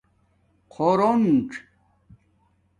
خُورُنڅ